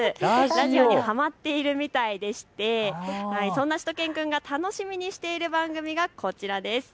ラジオにはまっているみたいでしてそんなしゅと犬くんが楽しみにしている番組がこちらです。